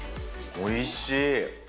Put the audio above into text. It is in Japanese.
おいしい。